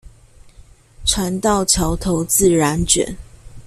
船到橋頭自然捲